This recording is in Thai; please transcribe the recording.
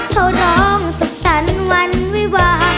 เขาร้องสุขสันวันวิวา